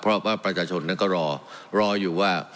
เพราะว่าประชาชนนั้นก็รอรออยู่ว่า